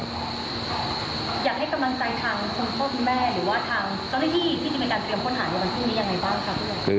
อยากให้กำลังใจทางคุณพ่อคุณแม่หรือว่าทางเจ้าหน้าที่ที่จะมีการเตรียมค้นหาในวันพรุ่งนี้ยังไงบ้างครับ